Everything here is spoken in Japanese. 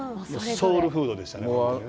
ソウルフードでしたね。